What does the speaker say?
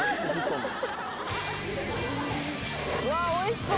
うわおいしそう！